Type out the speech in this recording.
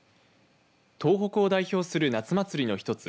東北を代表する夏祭りの一つ